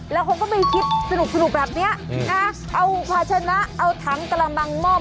แล้วคงก็มีคลิปสนุกแบบนี้นะเอาความชนะเอาถังตารางบังม่อม